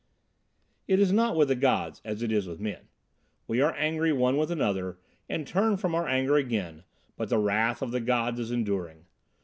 It is not with the gods as it is with men. We are angry one with another and turn from our anger again, but the wrath of the gods is enduring.